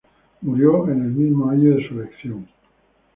Murió en el mismo año de su elección.